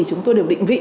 chúng tôi đều định vị